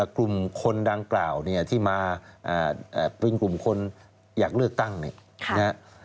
กลุ่มคนดังกล่าวที่มาเป็นกลุ่มคนอยากเลือกตั้งไหม